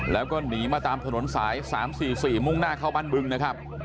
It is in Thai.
แล้วก็หนีมาตามถนนสาย๓๔๔มุ่งหน้าเข้าบ้านบึงนะครับ